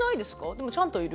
でもちゃんといる。